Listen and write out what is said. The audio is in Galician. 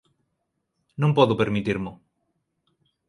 Non podo permitirmo.